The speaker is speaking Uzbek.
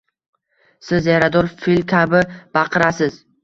Siz yarador fil kabi baqirasiz!